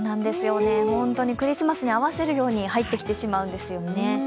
本当にクリスマスに合わせるように入ってきてしまうんですよね。